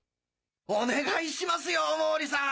お願いしますよ毛利さん！